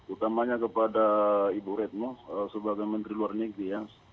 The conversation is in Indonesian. utamanya kepada ibu retno sebagai menteri luar negeri ya